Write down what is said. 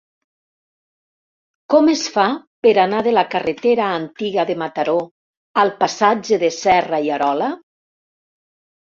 Com es fa per anar de la carretera Antiga de Mataró al passatge de Serra i Arola?